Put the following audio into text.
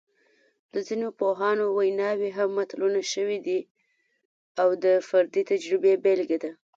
د ځینو پوهانو ویناوې هم متلونه شوي دي او د فردي تجربې بېلګه ده